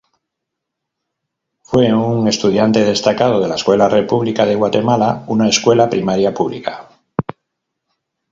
Fue un estudiante destacado de la Escuela República de Guatemala, una escuela primaria pública.